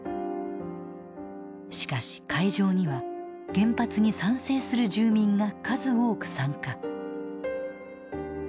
しかし会場には原発に賛成する住民が数多く参加。